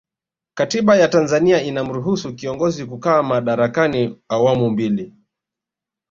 katiba ya tanzania inamruhusu kiongozi kukaa madarakani awamu mbili